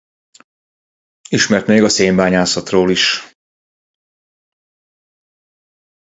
Ismert még a szénbányászatról is.